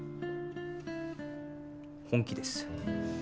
本気です。